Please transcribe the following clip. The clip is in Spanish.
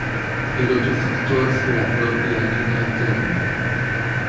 El otro factor fue la propia Nena Kerner.